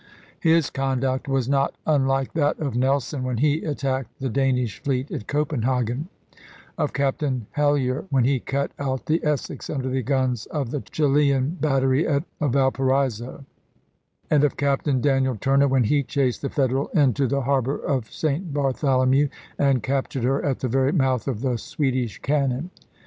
His conduct was not unlike that of Nelson when he attacked the Danish fleet at Copenhagen; of Captain Hellyar when he cut out the Essex under the guns of the Chilian battery at Valparaiso, and of Captain Daniel Turner when he chased the Federal into the Har bor of St. Bartholomew and captured her at the very mouth of the Swedish cannon.